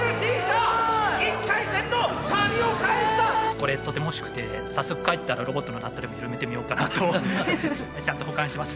これとても欲しくて早速帰ったらロボットのナットでも緩めてみようかなとちゃんと保管します。